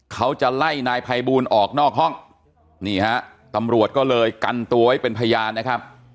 เขาจะไล่นายภัยบูลออกนอกห้องนี่ฮะตำรวจก็เลยกันตัวไว้เป็นพยานนะครับ